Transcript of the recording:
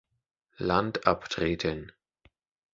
Land abtreten.